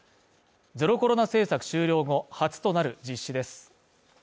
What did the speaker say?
ゼロコロナ政策終了後、初となる実施です。